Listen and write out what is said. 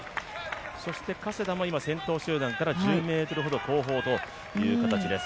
そして加世田も先頭集団から１０ｍほど後方という形です。